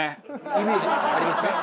イメージありますね。